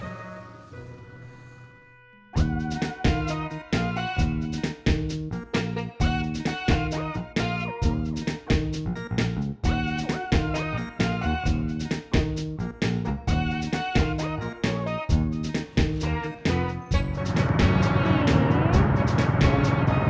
pernah untuk selamat